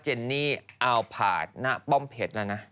เจนนี่อาวภาษณ์น้าป้อมเพชร